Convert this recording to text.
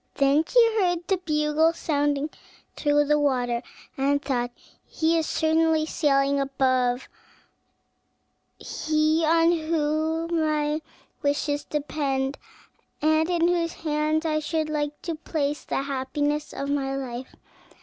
Then she heard the bugle sounding through the water, and thought "He is certainly sailing above, he on whom my wishes depend, and in whose hands I should like to place the happiness of my life.